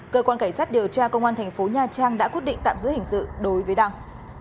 cơ quan cảnh sát điều tra công an thành phố nha trang đã quyết định tạm giữ hình sự đối với đăng